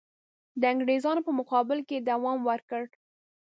د انګرېزانو په مقابل کې یې دوام ورکړ.